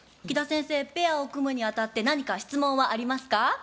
キダ先生ペアを組むにあたって何か質問はありますか？